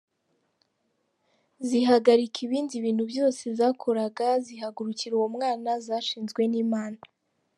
Zihagarika ibindi bintu byose zakoraga zihagurukira uwo mwana zashinzwe n’Imana.